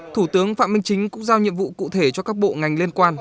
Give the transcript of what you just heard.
thủ tướng phạm minh chính cũng giao nhiệm vụ cụ thể cho các bộ ngành liên quan